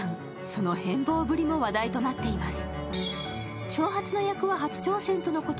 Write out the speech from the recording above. その変貌ぶりも話題となっています。